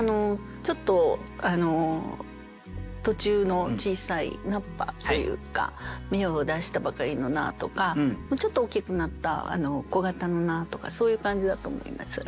ちょっと途中の小さい菜っ葉というか芽を出したばかりの菜とかちょっと大きくなった小形の菜とかそういう感じだと思います。